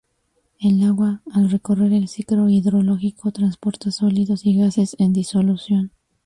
El agua, al recorrer el ciclo hidrológico, transporta sólidos y gases en disolución.